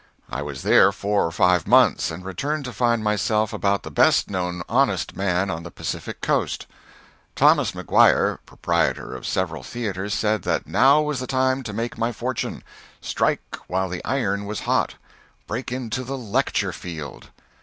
I was there four or five months, and returned to find myself about the best known honest man on the Pacific Coast. Thomas McGuire, proprietor of several theatres, said that now was the time to make my fortune strike while the iron was hot! break into the lecture field!